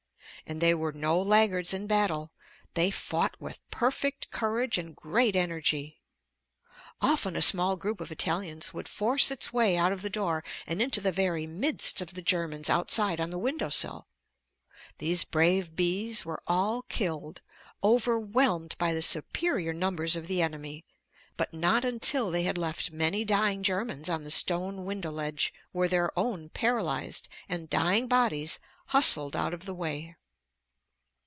And they were no laggards in battle. They fought with perfect courage and great energy. Often a small group of Italians would force its way out of the door and into the very midst of the Germans outside on the window sill. These brave bees were all killed, overwhelmed by the superior numbers of the enemy. But not until they had left many dying Germans on the stone window ledge were their own paralyzed and dying bodies hustled out of the way.